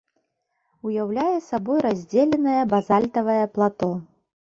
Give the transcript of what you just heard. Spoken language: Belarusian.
Уяўляе сабой раздзеленае базальтавае плато.